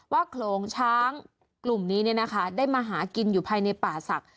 ว่าโคลงช้างกลุ่มนี้เนี่ยนะคะได้มาหากินอยู่ภายในป่าศักดิ์